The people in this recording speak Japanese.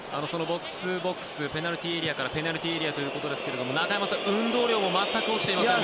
ペナルティーエリアからペナルティーエリアということですが中山さん、運動量が全く落ちていませんね。